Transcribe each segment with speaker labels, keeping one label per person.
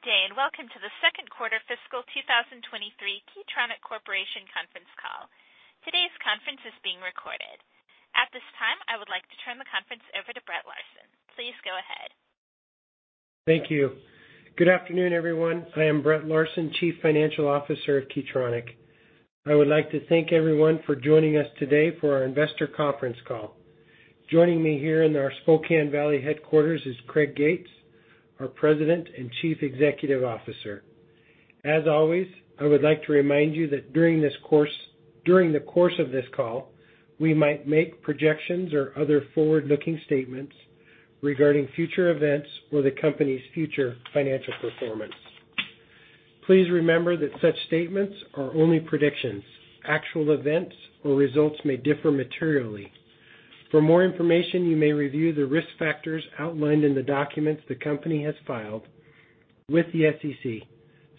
Speaker 1: Good day, and welcome to the second quarter fiscal 2023 Key Tronic Corporation conference call. Today's conference is being recorded. At this time, I would like to turn the conference over to Brett Larsen. Please go ahead.
Speaker 2: Thank you. Good afternoon, everyone. I am Brett Larsen, Chief Financial Officer of Key Tronic. I would like to thank everyone for joining us today for our investor conference call. Joining me here in our Spokane Valley headquarters is Craig Gates, our President and Chief Executive Officer. As always, I would like to remind you that during the course of this call, we might make projections or other forward-looking statements regarding future events or the company's future financial performance. Please remember that such statements are only predictions. Actual events or results may differ materially. For more information, you may review the risk factors outlined in the documents the company has filed with the SEC,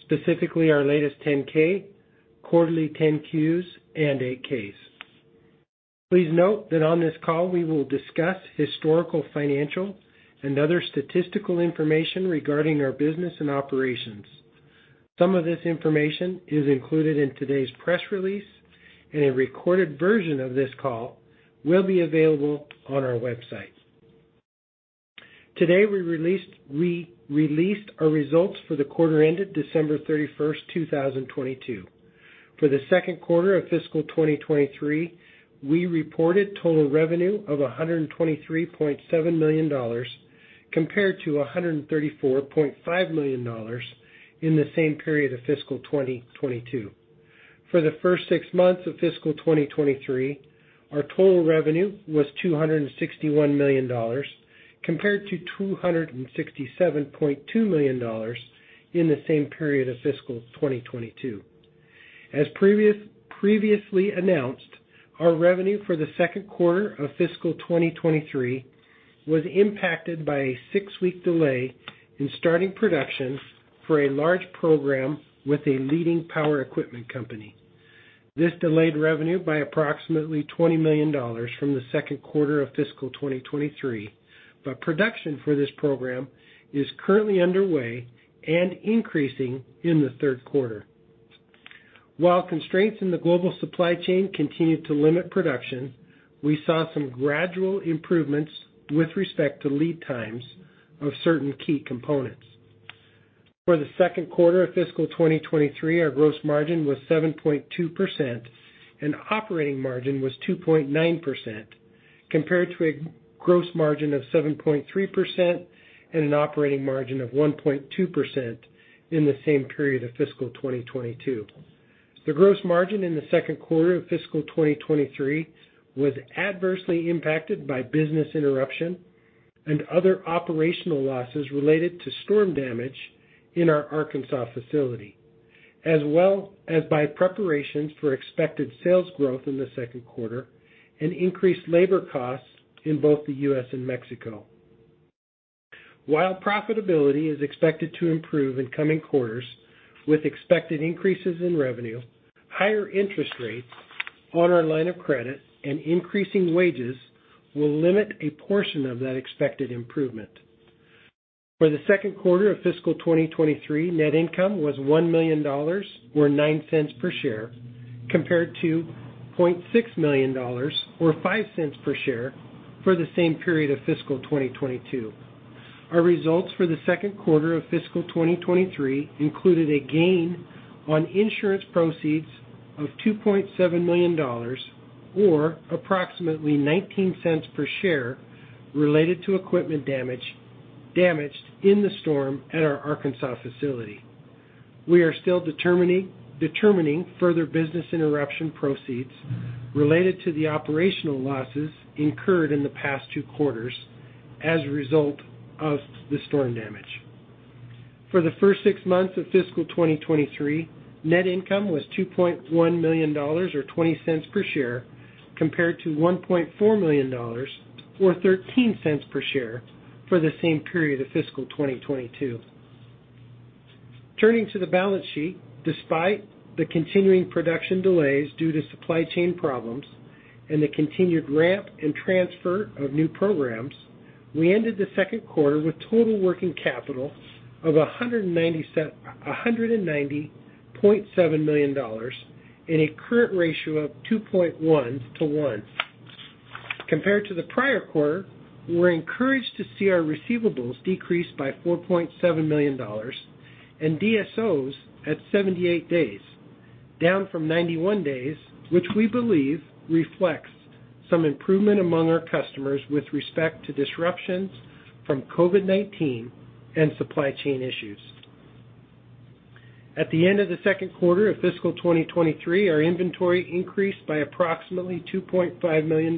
Speaker 2: specifically our latest 10-K, quarterly 10-Qs, and 8-Ks. Please note that on this call we will discuss historical, financial, and other statistical information regarding our business and operations. Some of this information is included in today's press release, and a recorded version of this call will be available on our website. Today, we re-released our results for the quarter ended December 31, 2022. For the second quarter of fiscal 2023, we reported total revenue of $123.7 million compared to $134.5 million in the same period of fiscal 2022. For the first six months of fiscal 2023, our total revenue was $261 million compared to $267.2 million in the same period of fiscal 2022. As previously announced, our revenue for the second quarter of fiscal 2023 was impacted by a six-week delay in starting production for a large program with a leading power equipment company. This delayed revenue by approximately $20 million from the second quarter of fiscal 2023. Production for this program is currently underway and increasing in the third quarter. While constraints in the global supply chain continued to limit production, we saw some gradual improvements with respect to lead times of certain key components. For the second quarter of fiscal 2023, our gross margin was 7.2%, and operating margin was 2.9% compared to a gross margin of 7.3% and an operating margin of 1.2% in the same period of fiscal 2022. The gross margin in the second quarter of fiscal 2023 was adversely impacted by business interruption and other operational losses related to storm damage in our Arkansas facility, as well as by preparations for expected sales growth in the second quarter and increased labor costs in both the U.S. and Mexico. While profitability is expected to improve in coming quarters with expected increases in revenue, higher interest rates on our line of credit and increasing wages will limit a portion of that expected improvement. For the second quarter of fiscal 2023, net income was $1 million or $0.09 per share, compared to $0.6 million or $0.05 per share for the same period of fiscal 2022. Our results for the second quarter of fiscal 2023 included a gain on insurance proceeds of $2.7 million, or approximately $0.19 per share related to equipment damage, damaged in the storm at our Arkansas facility. We are still determining further business interruption proceeds related to the operational losses incurred in the past two quarters as a result of the storm damage. For the first six months of fiscal 2023, net income was $2.1 million or $0.20 per share, compared to $1.4 million or $0.13 per share for the same period of fiscal 2022. Turning to the balance sheet. Despite the continuing production delays due to supply chain problems and the continued ramp and transfer of new programs, we ended the second quarter with total working capital of $190.7 million and a current ratio of 2.1 to 1. Compared to the prior quarter, we're encouraged to see our receivables decrease by $4.7 million and DSOs at 78 days, down from 91 days, which we believe reflects some improvement among our customers with respect to disruptions from COVID-19 and supply chain issues. At the end of the second quarter of fiscal 2023, our inventory increased by approximately $2.5 million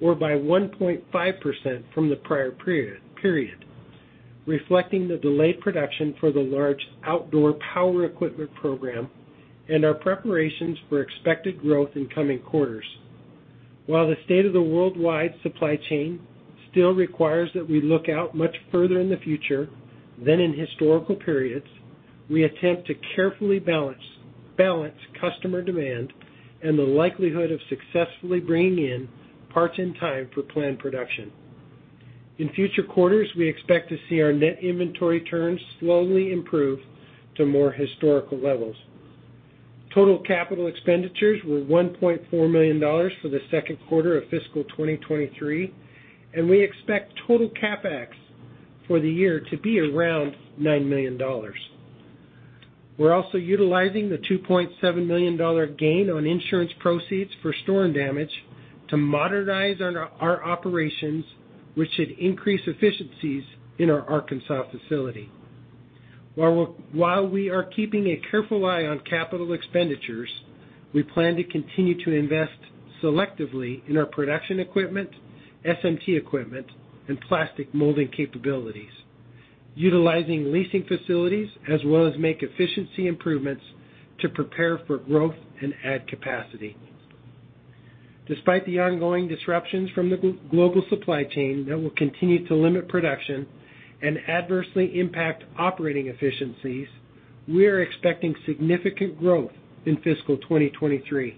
Speaker 2: or by 1.5% from the prior period, reflecting the delayed production for the large outdoor power equipment program and our preparations for expected growth in coming quarters. While the state of the worldwide supply chain still requires that we look out much further in the future than in historical periods. We attempt to carefully balance customer demand and the likelihood of successfully bringing in parts in time for planned production. In future quarters, we expect to see our net inventory turns slowly improve to more historical levels. Total capital expenditures were $1.4 million for the second quarter of fiscal 2023. We expect total CapEx for the year to be around $9 million. We're also utilizing the $2.7 million gain on insurance proceeds for storm damage to modernize our operations, which should increase efficiencies in our Arkansas facility. While we are keeping a careful eye on capital expenditures, we plan to continue to invest selectively in our production equipment, SMT equipment, and plastic molding capabilities, utilizing leasing facilities, as well as make efficiency improvements to prepare for growth and add capacity. Despite the ongoing disruptions from the global supply chain that will continue to limit production and adversely impact operating efficiencies, we are expecting significant growth in fiscal 2023.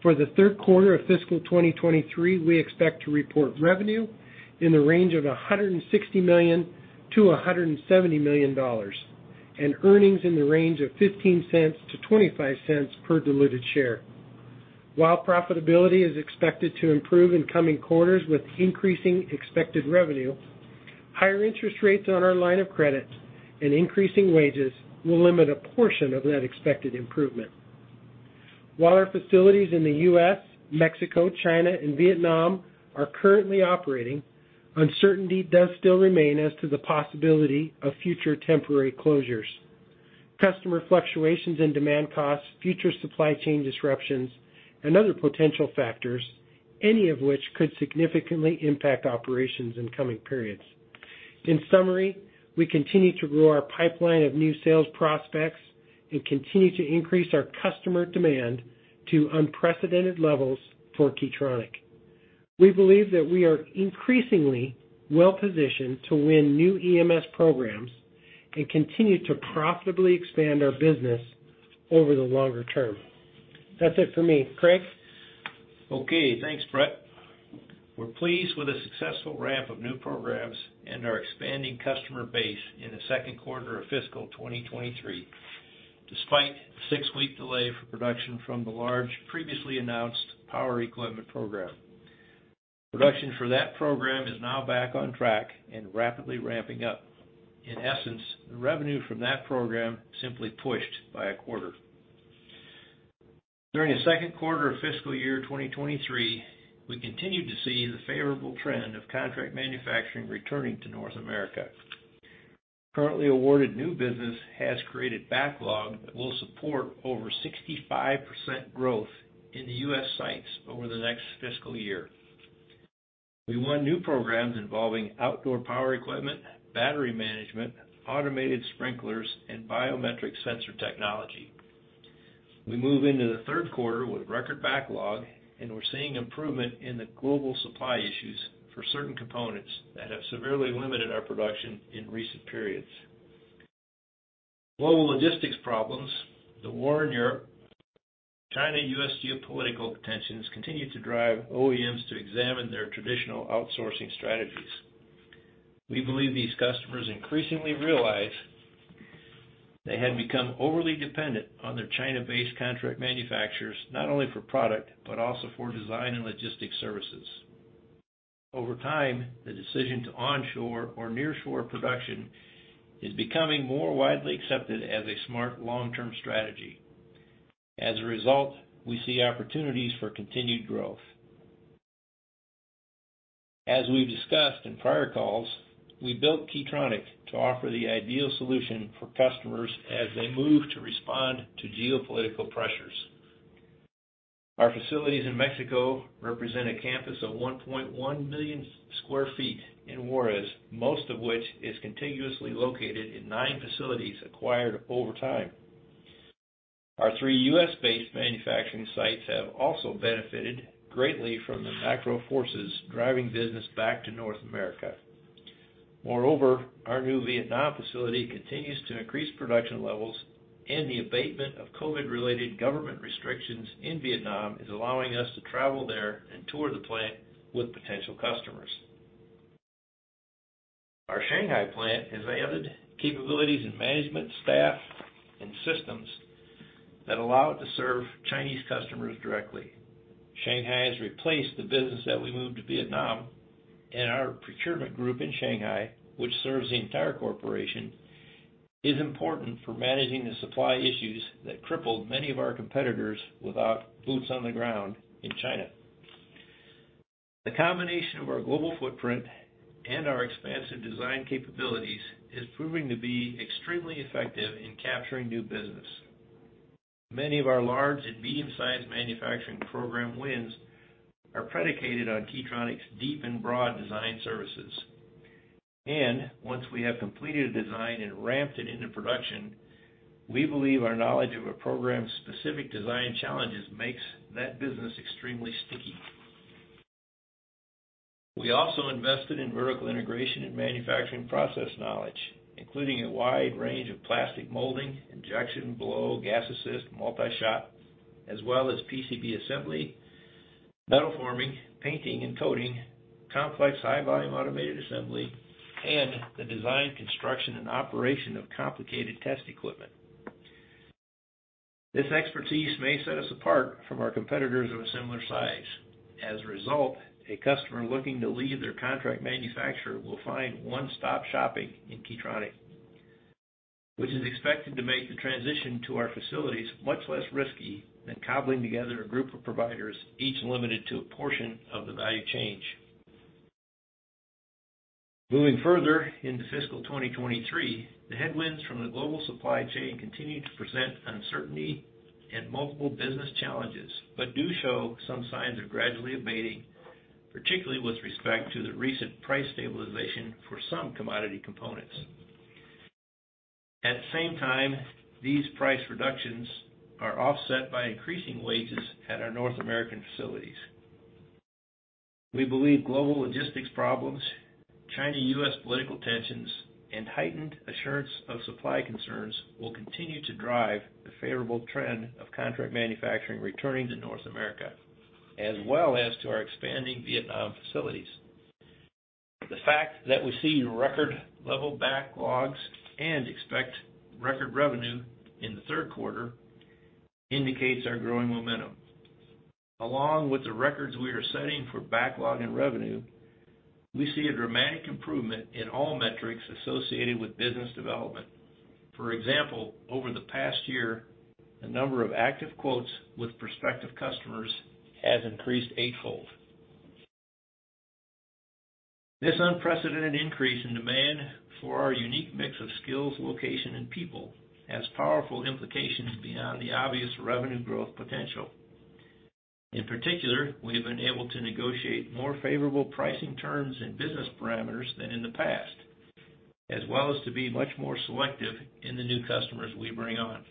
Speaker 2: For the 3rd quarter of fiscal 2023, we expect to report revenue in the range of $160 million-$170 million, and earnings in the range of $0.15-$0.25 per diluted share. While profitability is expected to improve in coming quarters with increasing expected revenue, higher interest rates on our line of credit and increasing wages will limit a portion of that expected improvement. While our facilities in the U.S., Mexico, China, and Vietnam are currently operating, uncertainty does still remain as to the possibility of future temporary closures. Customer fluctuations in demand costs, future supply chain disruptions, and other potential factors, any of which could significantly impact operations in coming periods. In summary, we continue to grow our pipeline of new sales prospects and continue to increase our customer demand to unprecedented levels for Key Tronic. We believe that we are increasingly well-positioned to win new EMS programs and continue to profitably expand our business over the longer term. That's it for me. Craig?
Speaker 3: Okay. Thanks, Brett. We're pleased with the successful ramp of new programs and our expanding customer base in the second quarter of fiscal 2023, despite the six-week delay for production from the large previously announced power equipment program. Production for that program is now back on track and rapidly ramping up. In essence, the revenue from that program simply pushed by a quarter. During the second quarter of fiscal year 2023, we continued to see the favorable trend of contract manufacturing returning to North America. Currently awarded new business has created backlog that will support over 65% growth in the U.S. sites over the next fiscal year. We won new programs involving outdoor power equipment, battery management, automated sprinklers, and biometric sensor technology. We move into the third quarter with record backlog. We're seeing improvement in the global supply issues for certain components that have severely limited our production in recent periods. Global logistics problems, the war in Europe, China, U.S. geopolitical tensions continue to drive OEMs to examine their traditional outsourcing strategies. We believe these customers increasingly realize they had become overly dependent on their China-based contract manufacturers, not only for product, but also for design and logistics services. Over time, the decision to onshore or nearshore production is becoming more widely accepted as a smart long-term strategy. As a result, we see opportunities for continued growth. As we've discussed in prior calls, we built Key Tronic to offer the ideal solution for customers as they move to respond to geopolitical pressures. Our facilities in Mexico represent a campus of 1.1 million sq ft in Juarez, most of which is contiguously located in nine facilities acquired over time. Our three U.S.-based manufacturing sites have also benefited greatly from the macro forces driving business back to North America. Moreover, our new Vietnam facility continues to increase production levels, and the abatement of COVID-related government restrictions in Vietnam is allowing us to travel there and tour the plant with potential customers. Our Shanghai plant has added capabilities in management, staff, and systems that allow it to serve Chinese customers directly. Shanghai has replaced the business that we moved to Vietnam, and our procurement group in Shanghai, which serves the entire corporation, is important for managing the supply issues that crippled many of our competitors without boots on the ground in China. The combination of our global footprint and our expansive design capabilities is proving to be extremely effective in capturing new business. Many of our large and medium-sized manufacturing program wins are predicated on Key Tronic's deep and broad design services. Once we have completed a design and ramped it into production, we believe our knowledge of a program's specific design challenges makes that business extremely sticky. We also invested in vertical integration and manufacturing process knowledge, including a wide range of plastic molding, injection blow, gas assist, multi-shot, as well as PCB assembly, metal forming, painting and coating, complex high volume automated assembly, and the design, construction, and operation of complicated test equipment. This expertise may set us apart from our competitors of a similar size. As a result, a customer looking to leave their contract manufacturer will find one-stop shopping in Key Tronic, which is expected to make the transition to our facilities much less risky than cobbling together a group of providers, each limited to a portion of the value chain. Moving further into fiscal 2023, the headwinds from the global supply chain continued to present uncertainty and multiple business challenges, but do show some signs of gradually abating, particularly with respect to the recent price stabilization for some commodity components. At the same time, these price reductions are offset by increasing wages at our North American facilities. We believe global logistics problems, China-US political tensions, and heightened assurance of supply concerns will continue to drive the favorable trend of contract manufacturing returning to North America, as well as to our expanding Vietnam facilities. The fact that we see record level backlogs and expect record revenue in the third quarter indicates our growing momentum. Along with the records we are setting for backlog and revenue, we see a dramatic improvement in all metrics associated with business development. For example, over the past year, the number of active quotes with prospective customers has increased eightfold. This unprecedented increase in demand for our unique mix of skills, location, and people has powerful implications beyond the obvious revenue growth potential. In particular, we have been able to negotiate more favorable pricing terms and business parameters than in the past, as well as to be much more selective in the new customers we bring on.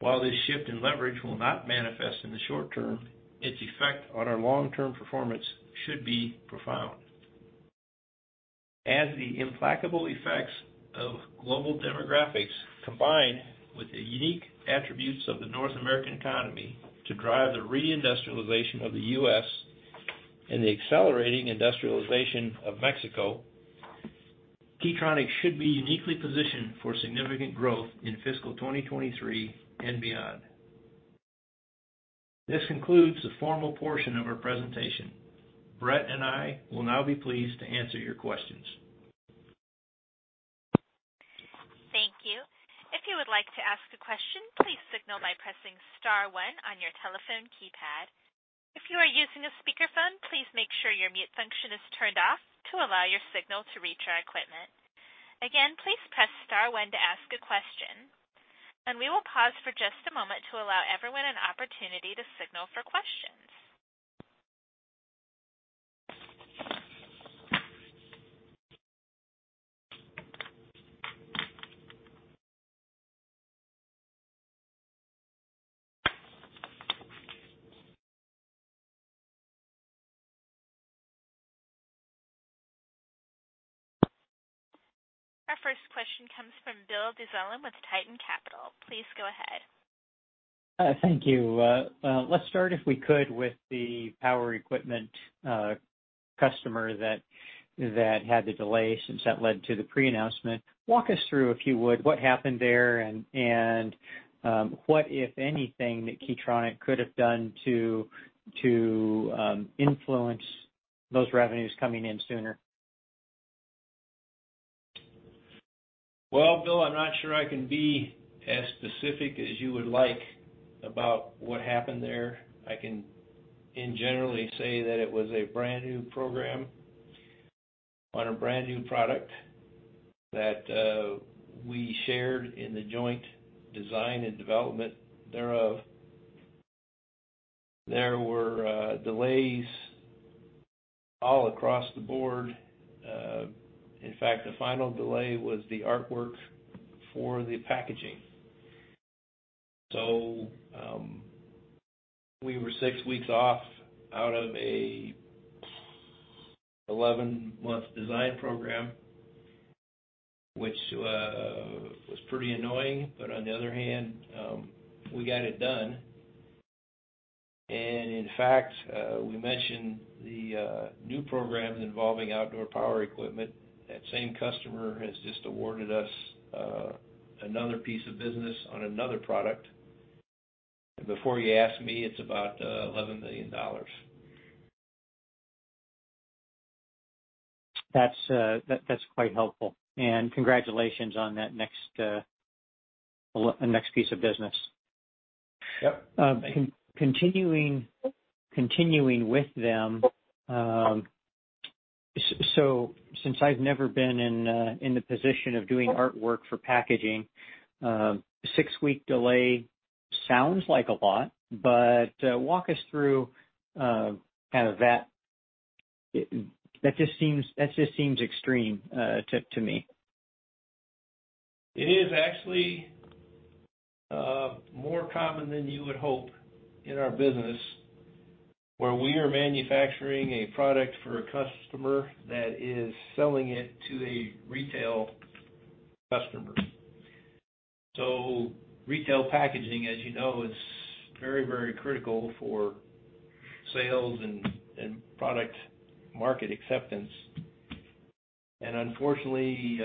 Speaker 3: While this shift in leverage will not manifest in the short term, its effect on our long-term performance should be profound. As the implacable effects of global demographics combine with the unique attributes of the North American economy to drive the reindustrialization of the U.S. and the accelerating industrialization of Mexico, Key Tronic should be uniquely positioned for significant growth in fiscal 2023 and beyond. This concludes the formal portion of our presentation. Brett and I will now be pleased to answer your questions.
Speaker 1: Thank you. If you would like to ask a question, please signal by pressing star one on your telephone keypad. If you are using a speakerphone, please make sure your mute function is turned off to allow your signal to reach our equipment. Again, please press star one to ask a question, we will pause for just a moment to allow everyone an opportunity to signal for questions. Our first question comes from Bill Dezellem with Tieton Capital. Please go ahead.
Speaker 4: Thank you. Let's start, if we could, with the power equipment customer that had the delay since that led to the pre-announcement. Walk us through, if you would, what happened there and what, if anything, that Key Tronic could have done to influence those revenues coming in sooner?
Speaker 3: Well, Bill, I'm not sure I can be as specific as you would like about what happened there. I can, in general, say that it was a brand-new program on a brand-new product that we shared in the joint design and development thereof. There were delays all across the board. In fact, the final delay was the artwork for the packaging. We were 6 weeks off out of a 11-month design program, which was pretty annoying. On the other hand, we got it done. In fact, we mentioned the new programs involving outdoor power equipment. That same customer has just awarded us another piece of business on another product. Before you ask me, it's about $11 million.
Speaker 4: That's, that's quite helpful. Congratulations on that next, the next piece of business.
Speaker 3: Yep. Thank you.
Speaker 4: Continuing with them, so since I've never been in the position of doing artwork for packaging, 6-week delay sounds like a lot, but, walk us through, kind of that. That just seems extreme to me.
Speaker 3: It is actually more common than you would hope in our business where we are manufacturing a product for a customer that is selling it to a retail customer. Retail packaging, as you know, is very, very critical for sales and product market acceptance. Unfortunately,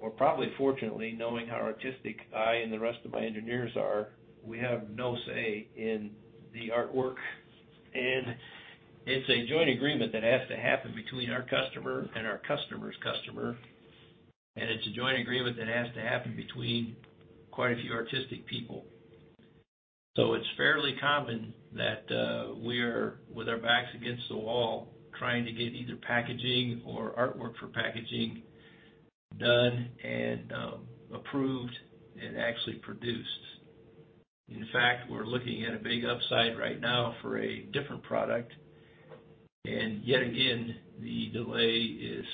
Speaker 3: or probably fortunately, knowing how artistic I and the rest of my engineers are, we have no say in the artwork. It's a joint agreement that has to happen between our customer and our customer's customer, and it's a joint agreement that has to happen between quite a few artistic people. It's fairly common that we're with our backs against the wall trying to get either packaging or artwork for packaging done and approved and actually produced. In fact, we're looking at a big upside right now for a different product. Yet again, the delay is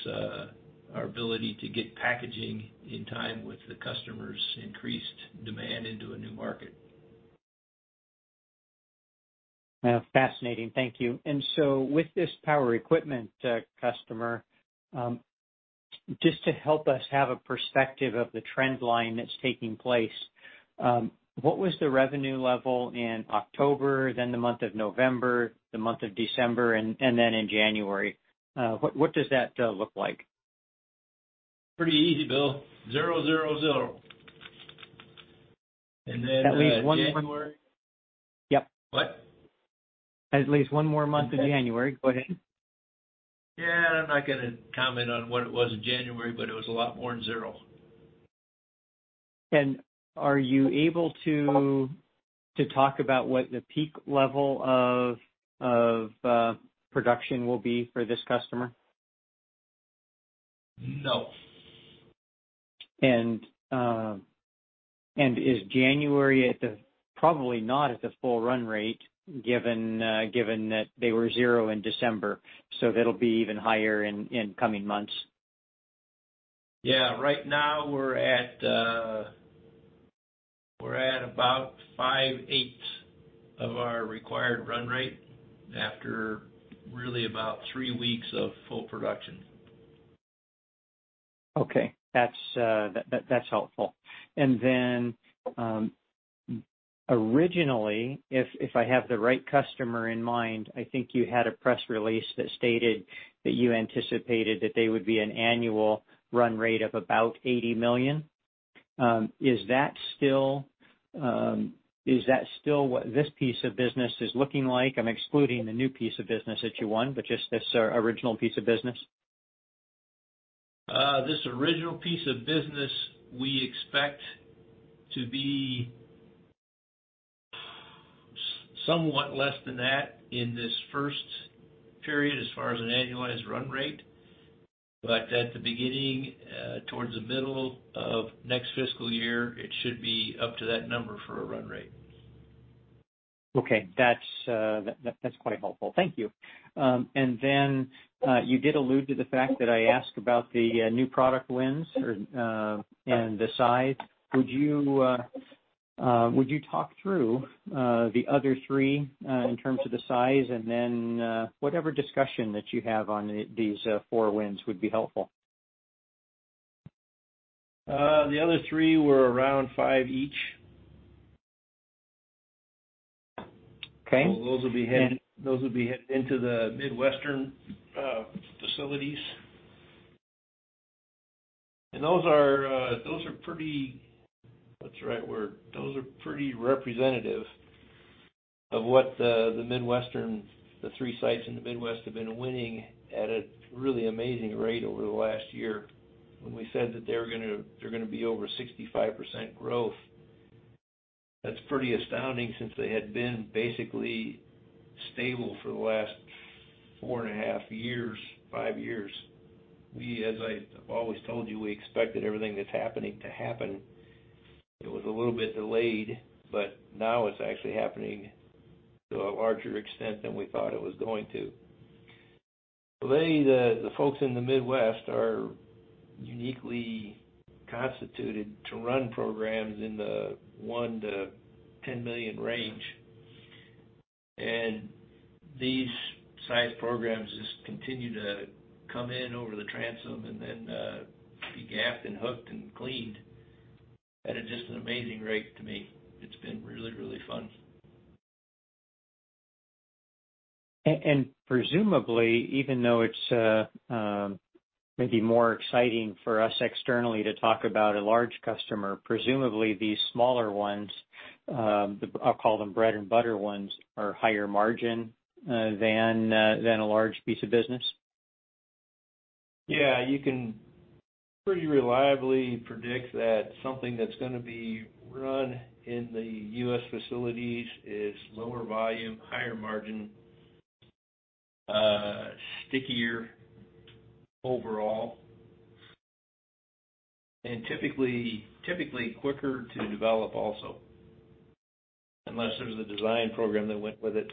Speaker 3: our ability to get packaging in time with the customer's increased demand into a new market.
Speaker 4: Fascinating. Thank you. With this power equipment, customer, just to help us have a perspective of the trend line that's taking place, what was the revenue level in October, then the month of November, the month of December, and then in January? What does that look like?
Speaker 3: Pretty easy, Bill. 0, 0.
Speaker 4: At least one more... Yep.
Speaker 3: What?
Speaker 4: At least one more month of January. Go ahead.
Speaker 3: Yeah. I'm not gonna comment on what it was in January, but it was a lot more than 0.
Speaker 4: Are you able to talk about what the peak level of production will be for this customer?
Speaker 3: No.
Speaker 4: Is January probably not at the full run rate, given that they were 0 in December, so that'll be even higher in coming months.
Speaker 3: Yeah. Right now we're at, we're at about five-eighth of our required run rate after really about three weeks of full production.
Speaker 4: Okay. That's helpful. Originally, if I have the right customer in mind, I think you had a press release that stated that you anticipated that they would be an annual run rate of about $80 million. Is that still what this piece of business is looking like? I'm excluding the new piece of business that you won, but just this original piece of business.
Speaker 3: This original piece of business, we expect to be somewhat less than that in this first period as far as an annualized run rate. At the beginning, towards the middle of next fiscal year, it should be up to that number for a run rate.
Speaker 4: Okay. That's quite helpful. Thank you. Then you did allude to the fact that I asked about the new product wins or and the size. Would you talk through the other three in terms of the size and then whatever discussion that you have on these four wins would be helpful.
Speaker 3: The other three were around five each.
Speaker 4: Okay.
Speaker 3: Those will be headed into the Midwestern facilities. Those are pretty, what's the right word? Those are pretty representative of what the Midwestern, the three sites in the Midwest have been winning at a really amazing rate over the last year. When we said that they're gonna be over 65% growth, that's pretty astounding since they had been basically stable for the last four and a half years, five years. We, as I've always told you, we expected everything that's happening to happen. It was a little bit delayed, but now it's actually happening to a larger extent than we thought it was going to. Believe me, the folks in the Midwest are uniquely constituted to run programs in the one to 10 million range. These size programs just continue to come in over the transom and then, be gaffed and hooked and cleaned at a just an amazing rate to me. It's been really, really fun.
Speaker 4: Presumably, even though it's maybe more exciting for us externally to talk about a large customer, presumably these smaller ones, the, I'll call them bread and butter ones, are higher margin than a large piece of business.
Speaker 3: Yeah, you can pretty reliably predict that something that's gonna be run in the U.S. facilities is lower volume, higher margin, stickier overall and typically quicker to develop also, unless there's a design program that went with it.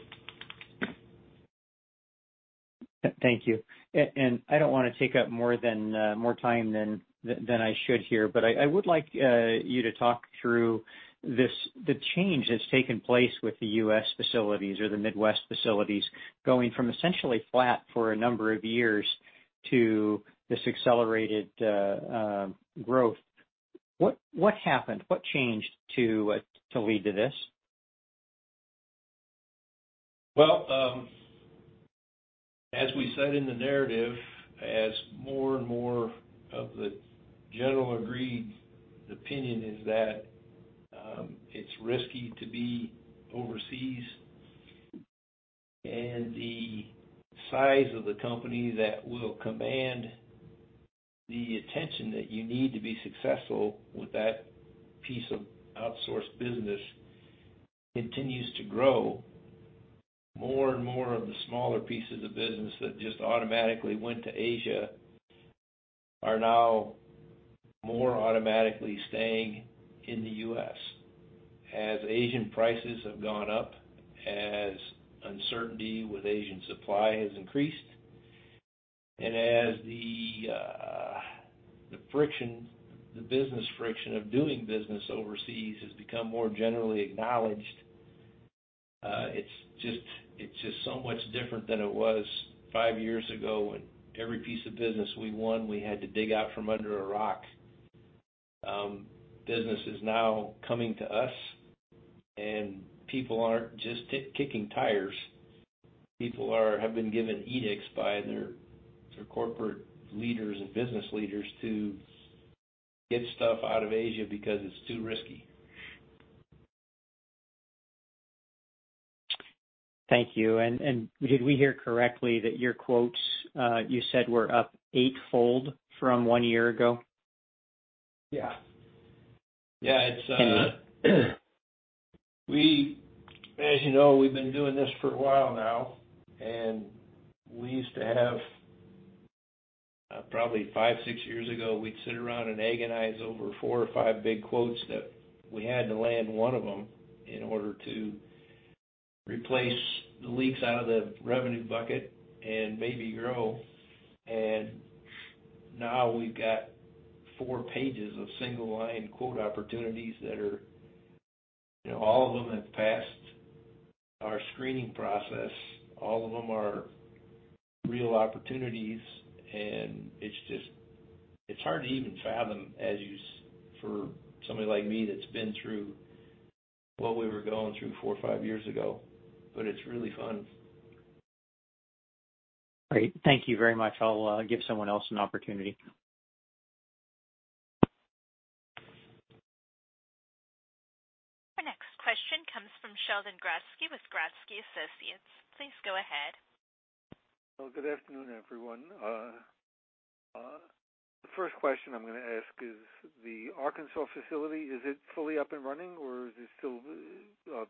Speaker 4: Thank you. I don't wanna take up more than more time than than I should here, but I would like you to talk through this, the change that's taken place with the U.S. facilities or the Midwest facilities going from essentially flat for a number of years to this accelerated growth. What happened? What changed to lead to this?
Speaker 3: As we said in the narrative, as more and more of the general agreed opinion is that it's risky to be overseas, and the size of the company that will command the attention that you need to be successful with that piece of outsourced business continues to grow. More and more of the smaller pieces of business that just automatically went to Asia are now more automatically staying in the US as Asian prices have gone up, as uncertainty with Asian supply has increased, and as the friction, the business friction of doing business overseas has become more generally acknowledged. It's just so much different than it was 5 years ago, when every piece of business we won, we had to dig out from under a rock. Business is now coming to us, and people aren't just kicking tires. People are... have been given edicts by their corporate leaders and business leaders to get stuff out of Asia because it's too risky.
Speaker 4: Thank you. Did we hear correctly that your quotes, you said were up eightfold from one year ago?
Speaker 3: Yeah. Yeah, it's.
Speaker 4: Can you?
Speaker 3: As you know, we've been doing this for a while now, we used to have, probably 5, 6 years ago, we'd sit around and agonize over 4 or 5 big quotes that we had to land one of them in order to replace the leaks out of the revenue bucket and maybe grow. Now we've got 4 pages of single-line quote opportunities that are, you know, all of them have passed our screening process. All of them are real opportunities, it's hard to even fathom as you for somebody like me that's been through what we were going through 4 or 5 years ago. It's really fun.
Speaker 4: Great. Thank you very much. I'll give someone else an opportunity.
Speaker 1: Our next question comes from Sheldon Grodsky with Grodsky Associates. Please go ahead.
Speaker 5: Well, good afternoon, everyone. The first question I'm gonna ask is the Arkansas facility, is it fully up and running, or is it still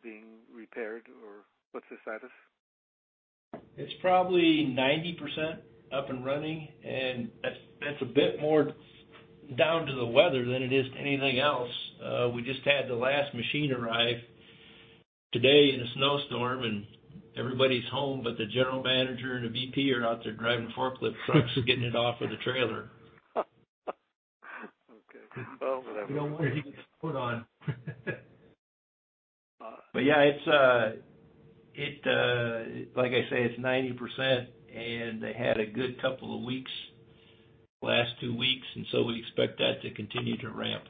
Speaker 5: being repaired, or what's the status?
Speaker 3: It's probably 90% up and running, and that's a bit more down to the weather than it is to anything else. We just had the last machine arrive today in a snowstorm, and everybody's home, but the general manager and the VP are out there driving forklift trucks, getting it off of the trailer.
Speaker 5: Okay. Well, whatever.
Speaker 3: No wonder he gets put on. Yeah, it's, like I say, it's 90%, and they had a good couple of weeks last two weeks, and so we expect that to continue to ramp.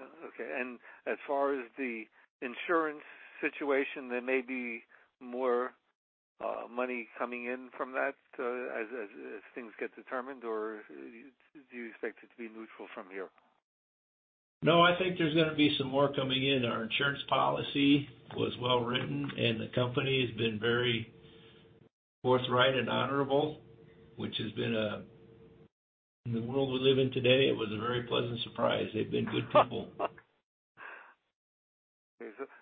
Speaker 5: Okay. As far as the insurance situation, there may be more money coming in from that, as things get determined, or do you expect it to be neutral from here?
Speaker 3: No, I think there's gonna be some more coming in. Our insurance policy was well-written, and the company has been very forthright and honorable, which has been a. In the world we live in today, it was a very pleasant surprise. They've been good people.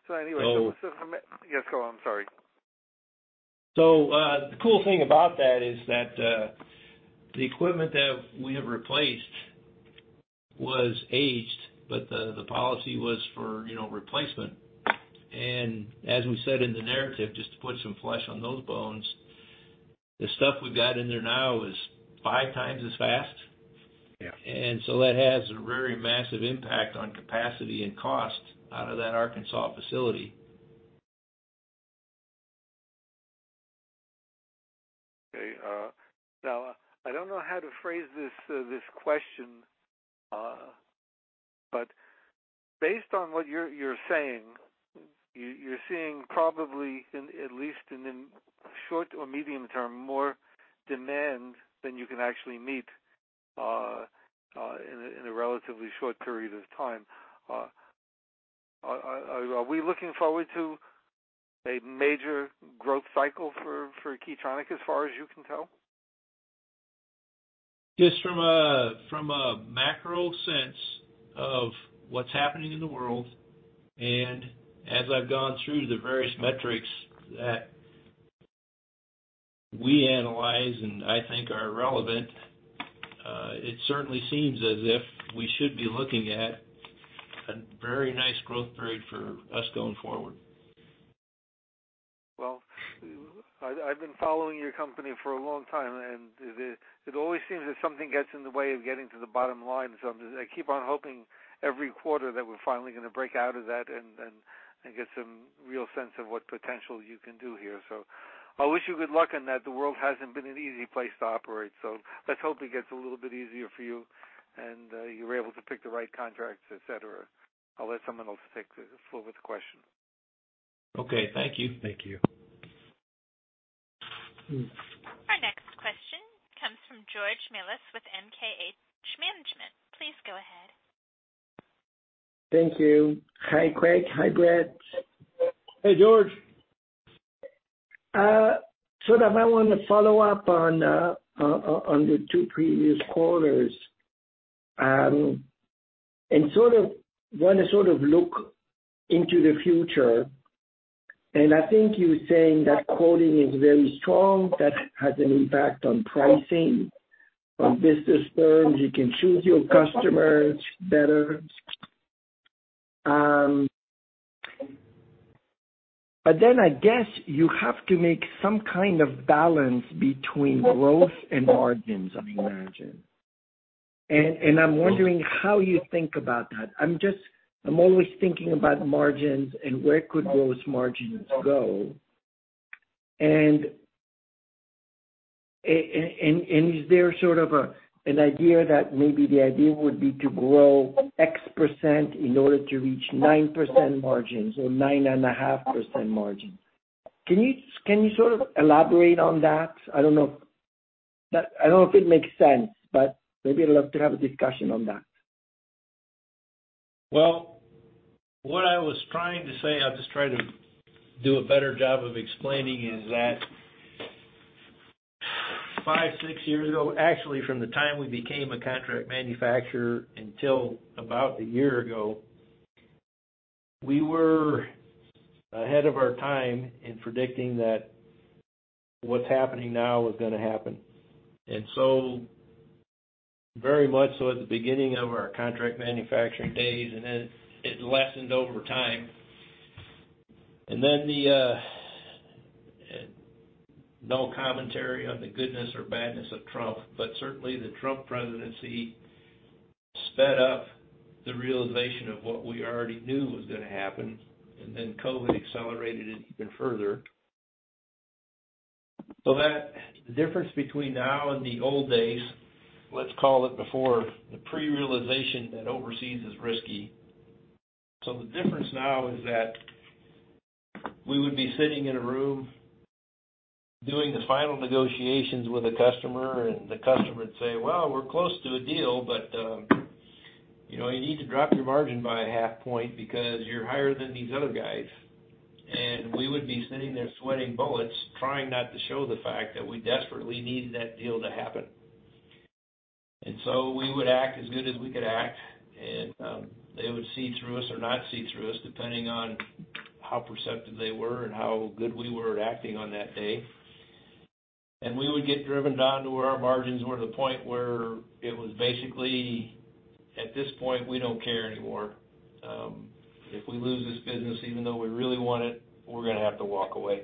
Speaker 5: So anyway-
Speaker 3: So-
Speaker 5: Yes, go on. Sorry.
Speaker 3: The cool thing about that is that, the equipment that we have replaced was aged, but the policy was for, you know, replacement. As we said in the narrative, just to put some flesh on those bones, the stuff we've got in there now is five times as fast.
Speaker 5: Yeah.
Speaker 3: That has a very massive impact on capacity and cost out of that Arkansas facility.
Speaker 5: Okay. Now I don't know how to phrase this question, based on what you're saying, you're seeing probably in, at least in the short or medium term, more demand than you can actually meet, in a, in a relatively short period of time. Are we looking forward to a major growth cycle for Key Tronic as far as you can tell?
Speaker 3: Just from a, from a macro sense of what's happening in the world and as I've gone through the various metrics that we analyze and I think are relevant, it certainly seems as if we should be looking at a very nice growth period for us going forward.
Speaker 5: Well, I've been following your company for a long time, and it always seems that something gets in the way of getting to the bottom line. I keep on hoping every quarter that we're finally gonna break out of that and get some real sense of what potential you can do here. I wish you good luck in that. The world hasn't been an easy place to operate, so let's hope it gets a little bit easier for you, and you're able to pick the right contracts, et cetera. I'll let someone else take the floor with the question.
Speaker 3: Okay. Thank you.
Speaker 5: Thank you.
Speaker 1: Our next question comes from George Melas with MKH Management. Please go ahead.
Speaker 6: Thank you. Hi, Craig. Hi, Brett.
Speaker 3: Hey, George.
Speaker 6: sort of I wanna follow up on the 2 previous quarters, and sort of wanna look into the future. I think you were saying that quoting is very strong, that has an impact on pricing. From business terms, you can choose your customers better. I guess you have to make some kind of balance between growth and margins, I imagine. I'm wondering how you think about that. I'm always thinking about margins and where could those margins go. Is there sort of a, an idea that maybe the idea would be to grow X% in order to reach 9% margins or 9.5% margin? Can you sort of elaborate on that? I don't know if... I don't know if it makes sense, but maybe I'd love to have a discussion on that.
Speaker 3: Well, what I was trying to say, I'll just try to do a better job of explaining, is that five, six years ago. Actually, from the time we became a contract manufacturer until about a year ago, we were ahead of our time in predicting that what's happening now was gonna happen. Very much so at the beginning of our contract manufacturing days, and then it lessened over time. The no commentary on the goodness or badness of Trump, but certainly the Trump presidency sped up the realization of what we already knew was gonna happen, and then COVID accelerated it even further. The difference between now and the old days, let's call it before the pre-realization that overseas is risky. The difference now is that we would be sitting in a room doing the final negotiations with a customer, and the customer would say, "Well, we're close to a deal, but, you know, you need to drop your margin by a half point because you're higher than these other guys." We would be sitting there sweating bullets, trying not to show the fact that we desperately need that deal to happen. We would act as good as we could act, and they would see through us or not see through us, depending on how perceptive they were and how good we were at acting on that day. We would get driven down to where our margins were to the point where it was basically, at this point, we don't care anymore. If we lose this business, even though we really want it, we're gonna have to walk away.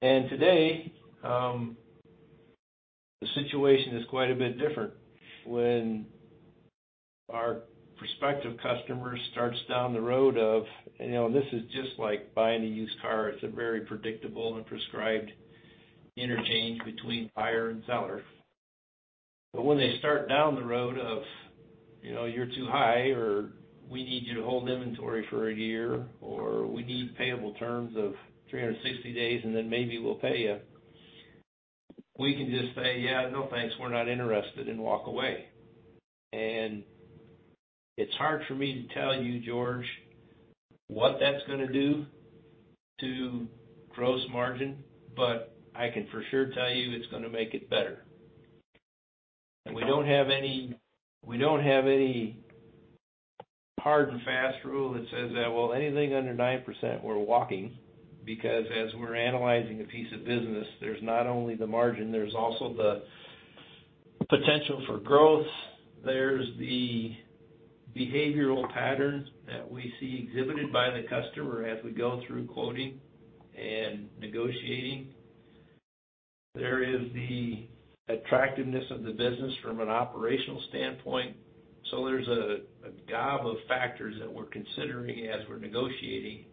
Speaker 3: Today, the situation is quite a bit different. When our prospective customer starts down the road of, you know, this is just like buying a used car. It's a very predictable and prescribed interchange between buyer and seller. When they start down the road of, you know, you're too high or we need you to hold inventory for a year or we need payable terms of 360 days and then maybe we'll pay you, we can just say, "Yeah, no, thanks. We're not interested," and walk away. It's hard for me to tell you, George, what that's gonna do to gross margin, but I can for sure tell you it's gonna make it better. We don't have any hard and fast rule that says that, well, anything under 9%, we're walking because as we're analyzing a piece of business, there's not only the margin, there's also the potential for growth. There's the behavioral patterns that we see exhibited by the customer as we go through quoting and negotiating. There is the attractiveness of the business from an operational standpoint. There's a gob of factors that we're considering as we're negotiating,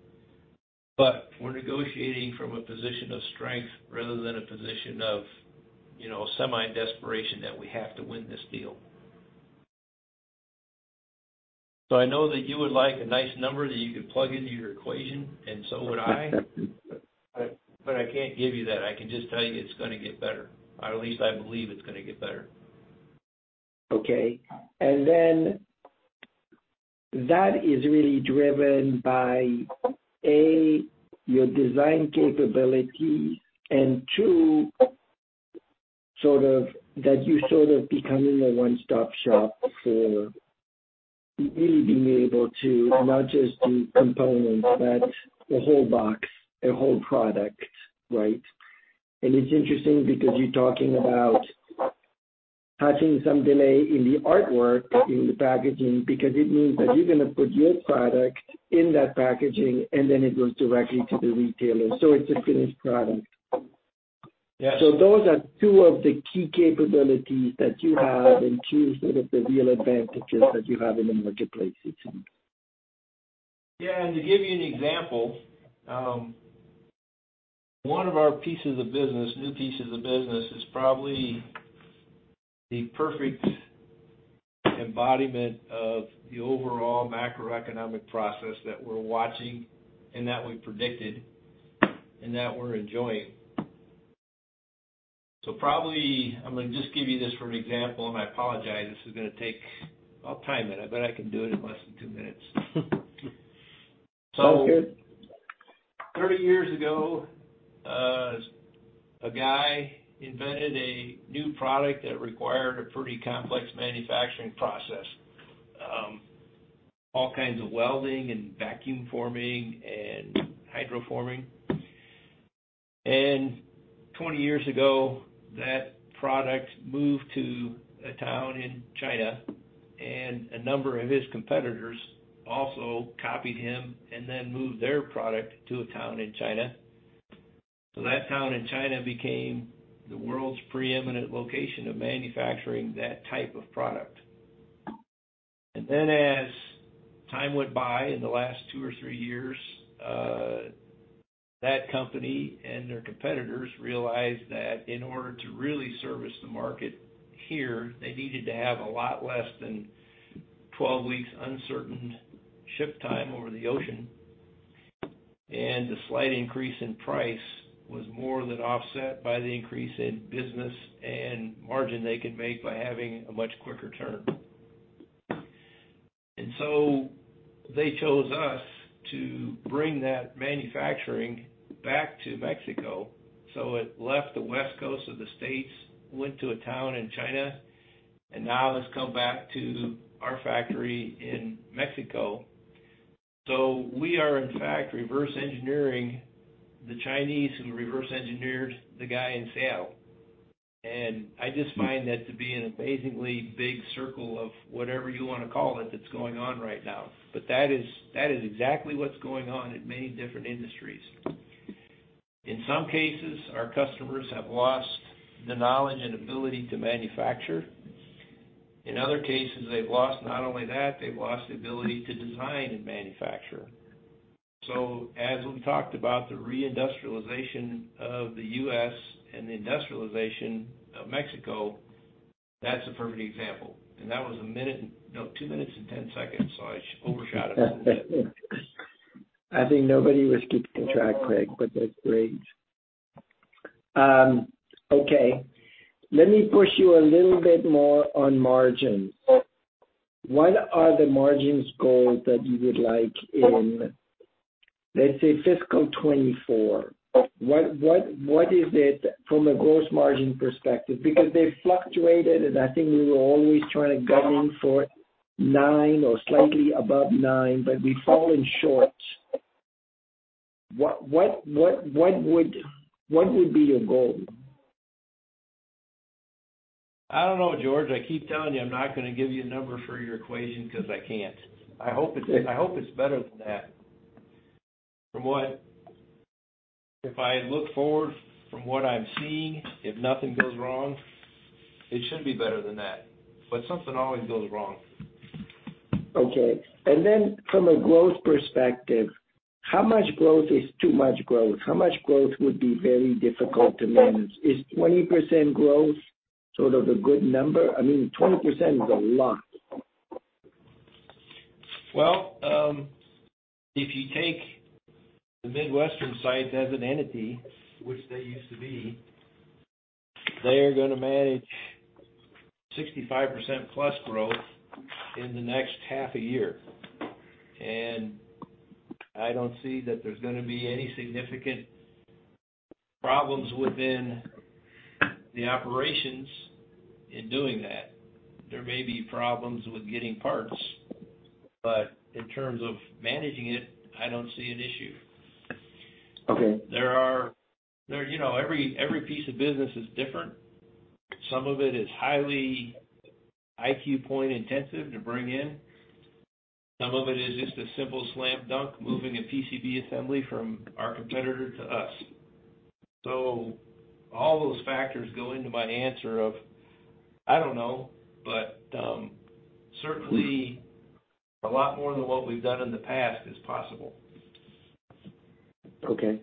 Speaker 3: but we're negotiating from a position of strength rather than a position of, you know, semi desperation that we have to win this deal. I know that you would like a nice number that you could plug into your equation, and so would I. But I can't give you that. I can just tell you it's gonna get better, or at least I believe it's gonna get better.
Speaker 6: Okay. That is really driven by, A, your design capability and, 2, sort of that you're becoming a one-stop shop for. Really being able to not just do components but a whole box, a whole product, right? It's interesting because you're talking about having some delay in the artwork, in the packaging, because it means that you're gonna put your product in that packaging and then it goes directly to the retailer, so it's a finished product.
Speaker 3: Yeah.
Speaker 6: Those are two of the key capabilities that you have and two sort of the real advantages that you have in the marketplace, I think.
Speaker 3: Yeah. To give you an example, one of our pieces of business, new pieces of business is probably the perfect embodiment of the overall macroeconomic process that we're watching and that we predicted and that we're enjoying. Probably I'm gonna just give you this for an example, I apologize, I'll time it. I bet I can do it in less than two minutes.
Speaker 6: Sounds good.
Speaker 3: 30 years ago, a guy invented a new product that required a pretty complex manufacturing process, all kinds of welding and vacuum forming and hydroforming. 20 years ago, that product moved to a town in China, and a number of his competitors also copied him and then moved their product to a town in China. That town in China became the world's preeminent location of manufacturing that type of product. As time went by in the last two or three years, that company and their competitors realized that in order to really service the market here, they needed to have a lot less than 12 weeks uncertain ship time over the ocean. The slight increase in price was more than offset by the increase in business and margin they could make by having a much quicker turn. They chose us to bring that manufacturing back to Mexico. It left the West Coast of the U.S., went to a town in China, and now it's come back to our factory in Mexico. We are in fact reverse engineering the Chinese who reverse end the guy in Seattle. I just find that to be an amazingly big circle of whatever you wanna call it that's going on right now. That is exactly what's going on in many different industries. In some cases, our customers have lost the knowledge and ability to manufacture. In other cases, they've lost not only that, they've lost the ability to design and manufacture. As we talked about the reindustrialization of the U.S. and the industrialization of Mexico, that's a perfect example. That was a minute... No, 2 minutes and 10 seconds, so I overshot it a little bit.
Speaker 6: I think nobody was keeping track, Craig, that's great. Okay. Let me push you a little bit more on margins. What are the margins goal that you would like in, let's say, fiscal 2024? What is it from a gross margin perspective? They fluctuated, and I think we were always trying to govern for 9% or slightly above 9%, but we've fallen short. What would be your goal?
Speaker 3: I don't know, George. I keep telling you I'm not gonna give you a number for your equation 'cause I can't. I hope it's better than that. If I look forward from what I'm seeing, if nothing goes wrong, it should be better than that. Something always goes wrong.
Speaker 6: Okay. From a growth perspective, how much growth is too much growth? How much growth would be very difficult to manage? Is 20% growth sort of a good number? I mean, 20% is a lot.
Speaker 3: If you take the Midwestern sites as an entity, which they used to be, they are gonna manage 65%+ growth in the next half a year. I don't see that there's gonna be any significant problems within the operations in doing that. There may be problems with getting parts, but in terms of managing it, I don't see an issue.
Speaker 6: Okay.
Speaker 3: There, you know, every piece of business is different. Some of it is highly IQ point intensive to bring in. Some of it is just a simple slam dunk, moving a PCB assembly from our competitor to us. All those factors go into my answer of, I don't know. Certainly a lot more than what we've done in the past is possible.
Speaker 6: Okay,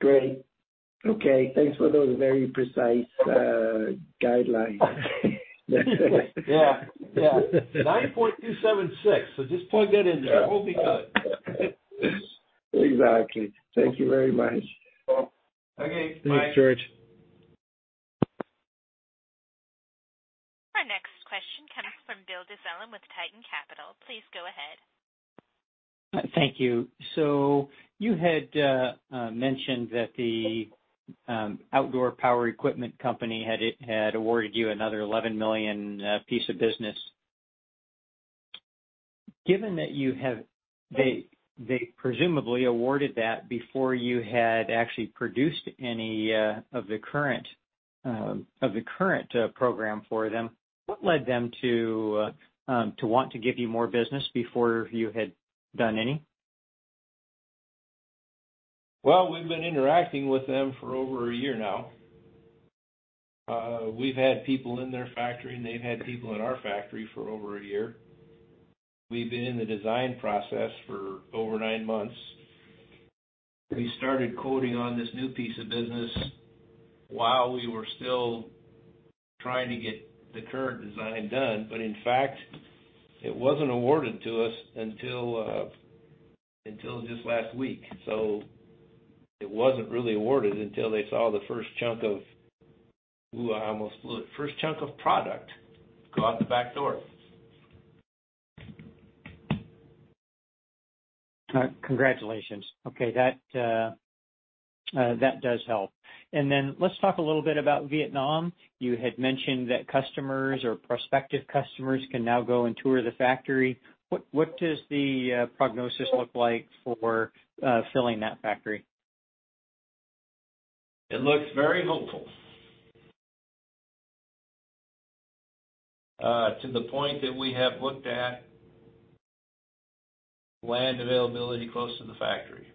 Speaker 6: great. Okay, thanks for those very precise guidelines.
Speaker 3: Yeah. Yeah. 9.276. Just plug that in there. We'll be good.
Speaker 6: Exactly. Thank you very much.
Speaker 3: Okay, bye.
Speaker 2: Thanks, George.
Speaker 1: Our next question comes from Bill Dezellem with Tieton Capital. Please go ahead.
Speaker 4: Thank you. You had mentioned that the outdoor power equipment company had awarded you another $11 million piece of business. Given that you have... They presumably awarded that before you had actually produced any of the current program for them, what led them to want to give you more business before you had done any?
Speaker 3: Well, we've been interacting with them for over a year now. We've had people in their factory, and they've had people in our factory for over a year. We've been in the design process for over 9 months. We started quoting on this new piece of business while we were still trying to get the current design done, but in fact, it wasn't awarded to us until just last week. It wasn't really awarded until they saw the first chunk of product. Ooh, I almost blew it. First chunk of product go out the back door.
Speaker 4: Congratulations. Okay. That does help. Let's talk a little bit about Vietnam. You had mentioned that customers or prospective customers can now go and tour the factory. What does the prognosis look like for filling that factory?
Speaker 3: It looks very hopeful. To the point that we have looked at land availability close to the factory.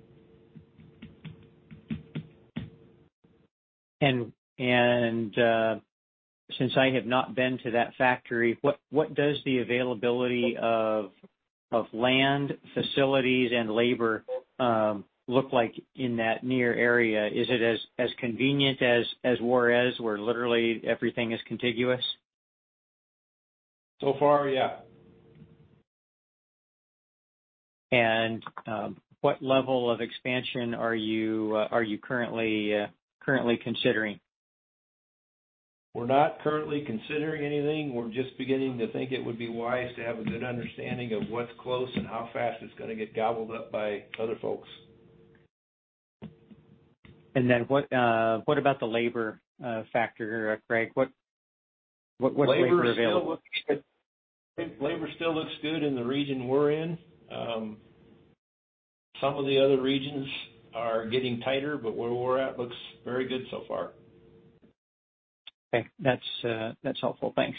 Speaker 4: Since I have not been to that factory, what does the availability of land, facilities, and labor, look like in that near area? Is it as convenient as Juarez, where literally everything is contiguous?
Speaker 3: Far, yeah.
Speaker 4: What level of expansion are you currently considering?
Speaker 3: We're not currently considering anything. We're just beginning to think it would be wise to have a good understanding of what's close and how fast it's gonna get gobbled up by other folks.
Speaker 4: What about the labor factor, Craig? What labor available?
Speaker 3: Labor still looks good in the region we're in. Some of the other regions are getting tighter, but where we're at looks very good so far.
Speaker 4: Okay. That's, that's helpful. Thanks.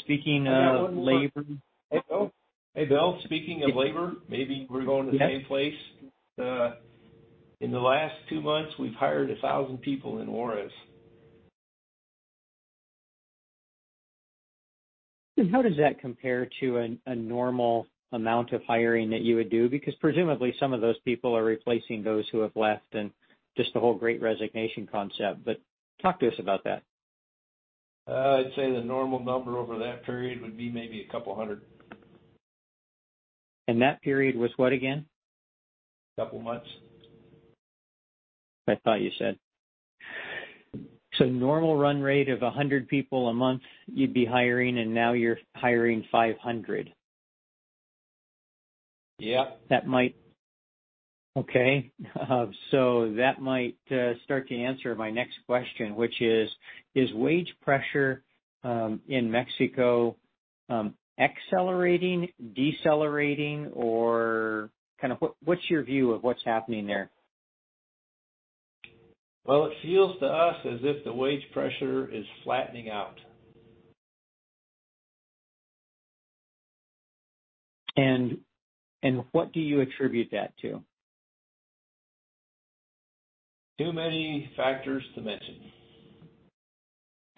Speaker 4: Speaking of labor.
Speaker 3: Hey, Bill. Hey, Bill. Speaking of labor, maybe we're going to the same place. In the last two months, we've hired 1,000 people in Juárez.
Speaker 4: How does that compare to a normal amount of hiring that you would do? Presumably, some of those people are replacing those who have left and just the whole Great Resignation concept. Talk to us about that.
Speaker 3: I'd say the normal number over that period would be maybe 200.
Speaker 4: That period was what again?
Speaker 3: Couple months.
Speaker 4: I thought you said. Normal run rate of 100 people a month you'd be hiring, and now you're hiring 500?
Speaker 3: Yeah.
Speaker 4: That might start to answer my next question, which is wage pressure in Mexico accelerating, decelerating, or kind of what's your view of what's happening there?
Speaker 3: Well, it feels to us as if the wage pressure is flattening out.
Speaker 4: What do you attribute that to?
Speaker 3: Too many factors to mention.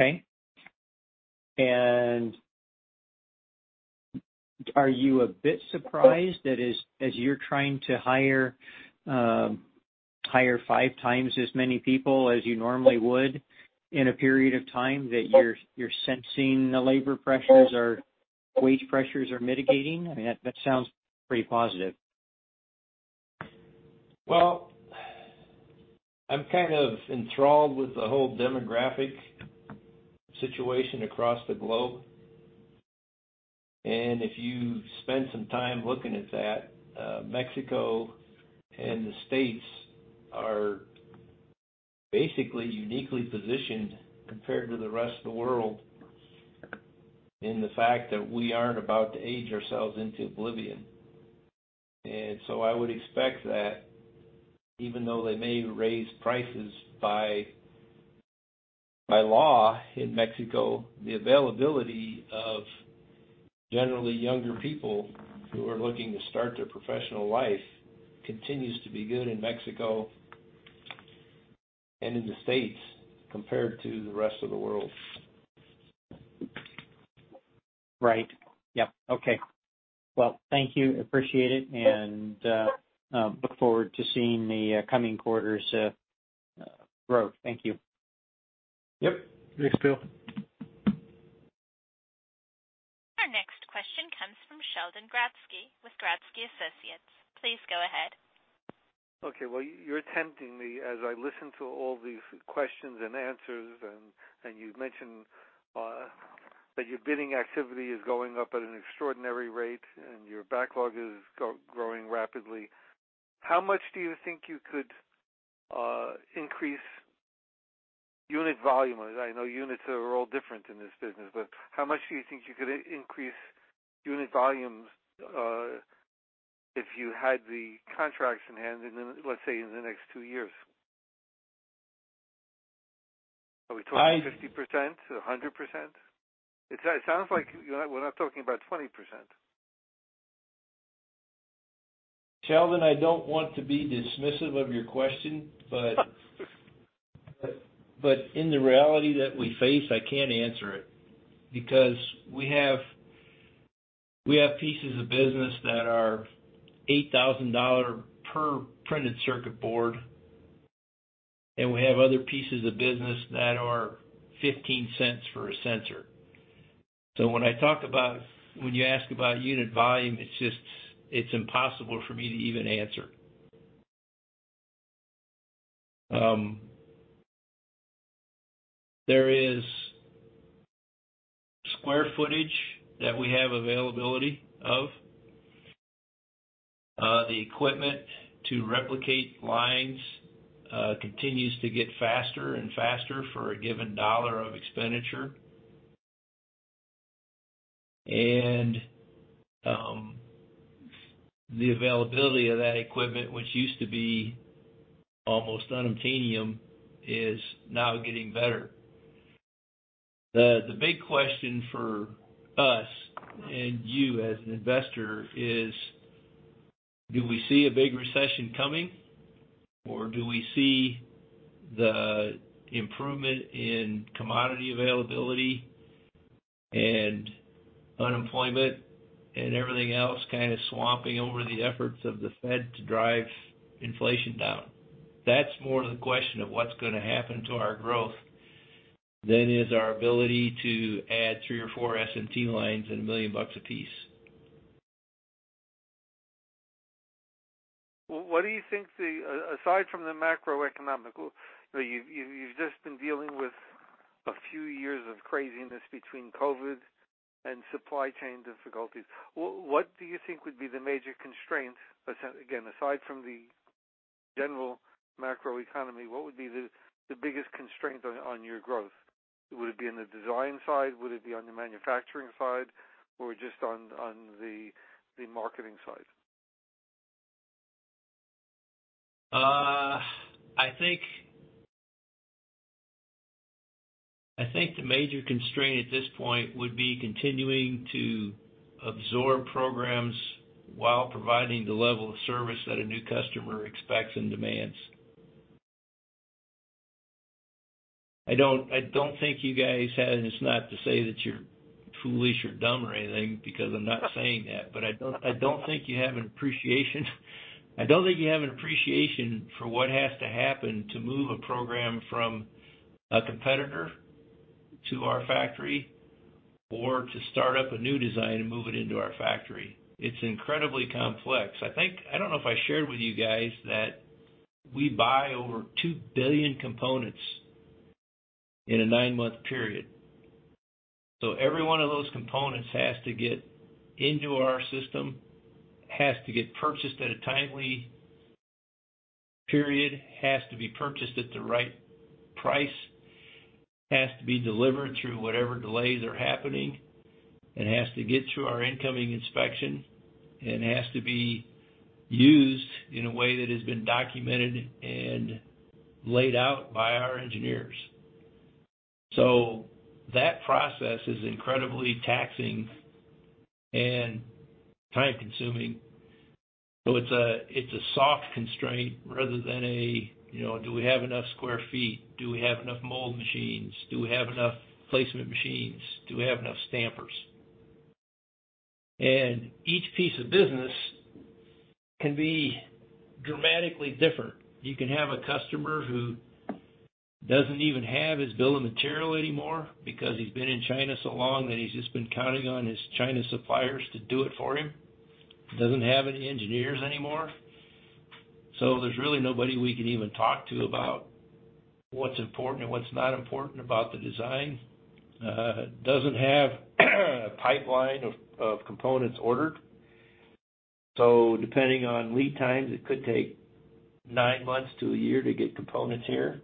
Speaker 4: Okay. Are you a bit surprised that as you're trying to hire five times as many people as you normally would in a period of time that you're sensing the labor pressures or wage pressures are mitigating? I mean, that sounds pretty positive.
Speaker 3: Well, I'm kind of enthralled with the whole demographic situation across the globe. If you spend some time looking at that, Mexico and the States are basically uniquely positioned compared to the rest of the world in the fact that we aren't about to age ourselves into oblivion. I would expect that even though they may raise prices by law in Mexico, the availability of generally younger people who are looking to start their professional life continues to be good in Mexico and in the States compared to the rest of the world.
Speaker 4: Right. Yep. Okay. Well, thank you. Appreciate it. Look forward to seeing the coming quarters grow. Thank you.
Speaker 3: Yep. Thanks, Bill.
Speaker 1: Our next question comes from Sheldon Grodsky with Grodsky Associates. Please go ahead.
Speaker 5: Okay. Well, you're tempting me as I listen to all these questions and answers, and you've mentioned that your bidding activity is going up at an extraordinary rate and your backlog is growing rapidly. How much do you think you could increase unit volume? As I know units are all different in this business, but how much do you think you could increase unit volumes, if you had the contracts in hand in the next 2 years? Are we talking 50%, 100%? It sounds like you're not we're not talking about 20%.
Speaker 3: Calvin, I don't want to be dismissive of your question, but in the reality that we face, I can't answer it because we have pieces of business that are $8,000 per printed circuit board, and we have other pieces of business that are $0.15 for a sensor. When I talk about... when you ask about unit volume, it's just, it's impossible for me to even answer. There is square footage that we have availability of. The equipment to replicate lines continues to get faster and faster for a given dollar of expenditure. The availability of that equipment, which used to be almost unobtainium, is now getting better. The big question for us and you as an investor is, do we see a big recession coming or do we see the improvement in commodity availability and unemployment and everything else kind of swamping over the efforts of the Fed to drive inflation down? That's more the question of what's gonna happen to our growth than is our ability to add three or four SMT lines and $1 million a piece.
Speaker 5: Well, what do you think the, aside from the macroeconomic, you've just been dealing with a few years of craziness between COVID and supply chain difficulties. What do you think would be the major constraint, again, aside from the general macroeconomy, what would be the biggest constraint on your growth? Would it be in the design side? Would it be on the manufacturing side or just on the marketing side?
Speaker 3: I think the major constraint at this point would be continuing to absorb programs while providing the level of service that a new customer expects and demands. I don't think you guys have, and it's not to say that you're foolish or dumb or anything, because I'm not saying that, but I don't think you have an appreciation. I don't think you have an appreciation for what has to happen to move a program from a competitor to our factory or to start up a new design and move it into our factory. It's incredibly complex. I don't know if I shared with you guys that we buy over 2 billion components in a 9-month period. Every one of those components has to get into our system, has to get purchased at a timely period, has to be purchased at the right price, has to be delivered through whatever delays are happening, and has to get through our incoming inspection, and has to be used in a way that has been documented and laid out by our engineers. That process is incredibly taxing and time-consuming. It's a, it's a soft constraint rather than a, you know, do we have enough square feet? Do we have enough mold machines? Do we have enough placement machines? Do we have enough stampers? Each piece of business can be dramatically different. You can have a customer who doesn't even have his bill of material anymore because he's been in China so long that he's just been counting on his China suppliers to do it for him, doesn't have any engineers anymore, so there's really nobody we can even talk to about what's important and what's not important about the design. Doesn't have a pipeline of components ordered, so depending on lead times, it could take nine months to a year to get components here,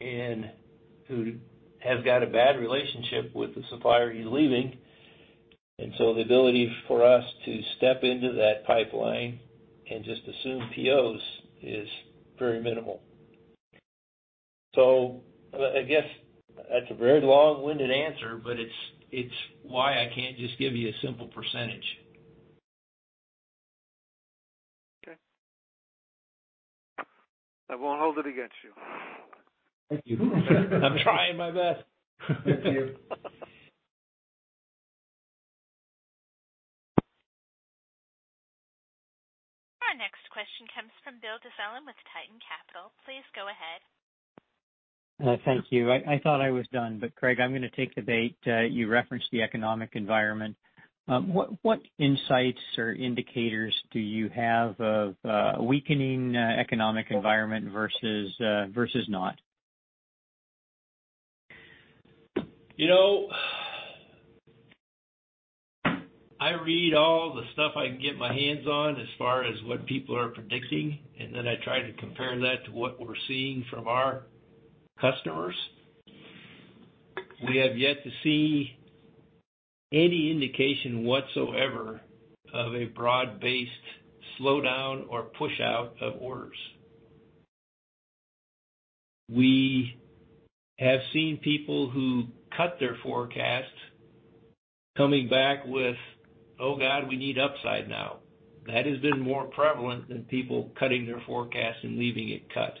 Speaker 3: and who has got a bad relationship with the supplier he's leaving. The ability for us to step into that pipeline and just assume POs is very minimal. I guess that's a very long-winded answer, but it's why I can't just give you a simple %.
Speaker 5: Okay. I won't hold it against you.
Speaker 3: Thank you. I'm trying my best.
Speaker 5: Thank you.
Speaker 1: Our next question comes from Bill Dezellem with Tieton Capital. Please go ahead.
Speaker 4: Thank you. I thought I was done, but Craig, I'm gonna take the bait. You referenced the economic environment. What insights or indicators do you have of a weakening economic environment versus not?
Speaker 3: You know, I read all the stuff I can get my hands on as far as what people are predicting, then I try to compare that to what we're seeing from our customers. We have yet to see any indication whatsoever of a broad-based slowdown or push out of orders. We have seen people who cut their forecast coming back with, "Oh God, we need upside now." That has been more prevalent than people cutting their forecast and leaving it cut.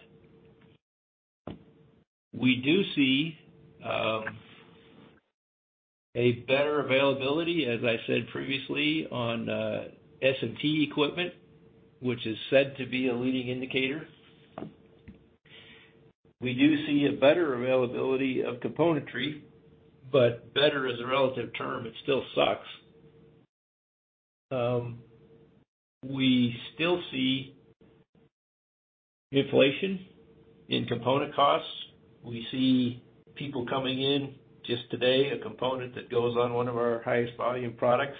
Speaker 3: We do see a better availability, as I said previously, on SMT equipment, which is said to be a leading indicator. We do see a better availability of componentry, but better is a relative term. It still sucks. We still see inflation in component costs. We see people coming in just today, a component that goes on one of our highest volume products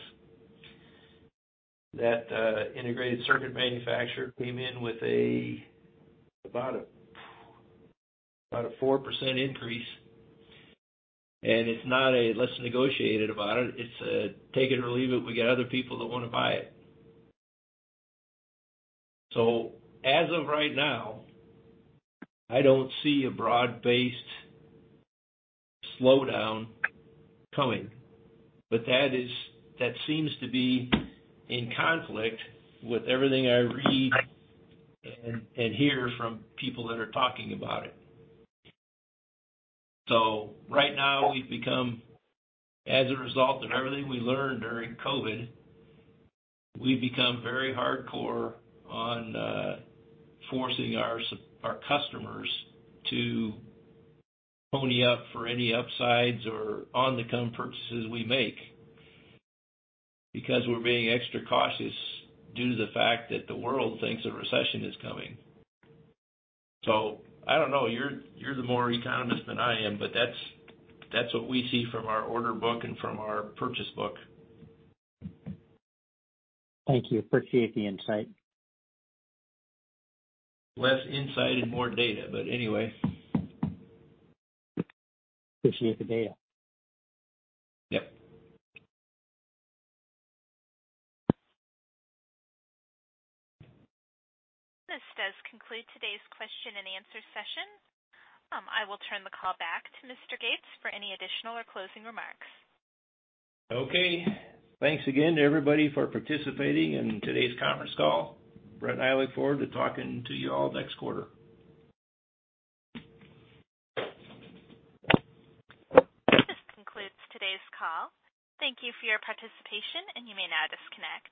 Speaker 3: that integrated circuit manufacturer came in with about a 4% increase. It's not a, "Let's negotiate it," about it. It's a take it or leave it, we got other people that wanna buy it. As of right now, I don't see a broad-based slowdown coming, but that seems to be in conflict with everything I read and hear from people that are talking about it. Right now we've become, as a result of everything we learned during COVID, we've become very hardcore on forcing our customers to pony up for any upsides or on-the-come purchases we make because we're being extra cautious due to the fact that the world thinks a recession is coming. I don't know. You're the more economist than I am, but that's what we see from our order book and from our purchase book.
Speaker 4: Thank you. Appreciate the insight.
Speaker 3: Less insight and more data, but anyway.
Speaker 4: Appreciate the data.
Speaker 3: Yep.
Speaker 1: This does conclude today's question and answer session. I will turn the call back to Mr. Gates for any additional or closing remarks.
Speaker 3: Okay. Thanks again to everybody for participating in today's conference call. Brett and I look forward to talking to you all next quarter.
Speaker 1: This concludes today's call. Thank you for your participation. You may now disconnect.